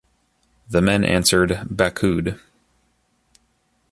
The men answered "bakood".